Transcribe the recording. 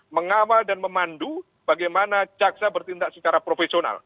mengawal dan memandu bagaimana caksa bertindak secara profesional